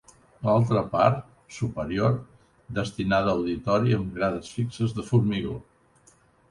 L'altra part, superior, destinada a auditori amb grades fixes de formigó.